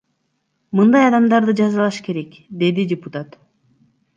Мындай адамдарды жазалаш керек, — деди депутат.